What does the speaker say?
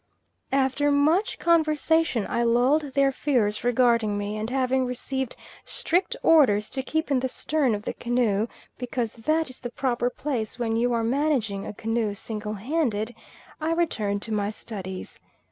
After much conversation I lulled their fears regarding me, and having received strict orders to keep in the stern of the canoe, because that is the proper place when you are managing a canoe single handed, I returned to my studies.